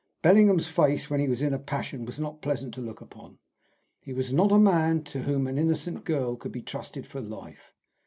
Bellingham's face when he was in a passion was not pleasant to look upon. He was not a man to whom an innocent girl could be trusted for life.